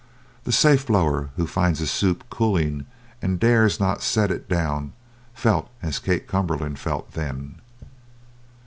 The safe blower who finds his "soup" cooling and dares not set it down felt as Kate Cumberland felt then.